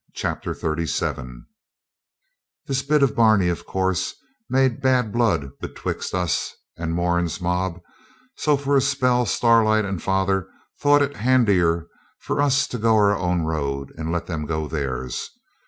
Chapter 37 This bit of a barney, of course, made bad blood betwixt us and Moran's mob, so for a spell Starlight and father thought it handier for us to go our own road and let them go theirs.